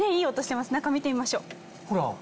中見てみましょう。